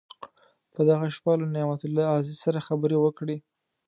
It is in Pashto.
په دغه شپه له نعمت الله عزیز سره خبرې وکړې.